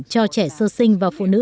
cho trẻ sơ sinh và phụ nữ